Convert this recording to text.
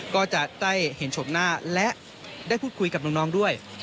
ก็จะได้เห็นชมหน้าและได้พูดคุยกับน้องด้วย